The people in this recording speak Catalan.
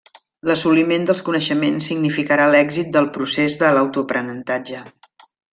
L'assoliment dels coneixements significarà l'èxit del procés de l'autoaprenentatge.